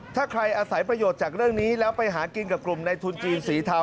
ถ้าใครอาศัยประโยชน์จากเรื่องนี้แล้วไปหากินกับกลุ่มในทุนจีนสีเทา